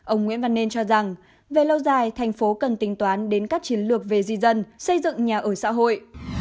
ông nguyễn văn nên cho rằng về lâu dài thành phố cần tính toán đến các chiến lược về di dân xây dựng nhà ở xã hội